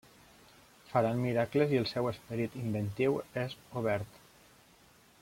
Faran miracles i el seu esperit inventiu és obert.